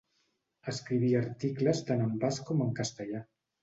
Escrivia articles tant en basc com en castellà.